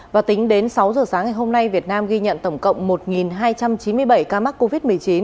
và tính đến sáu giờ sáng ngày hôm nay việt nam ghi nhận tổng cộng một hai trăm chín mươi bảy ca mắc covid một mươi chín